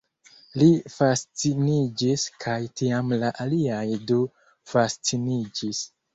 Li fasciniĝis kaj tiam la aliaj du fasciniĝis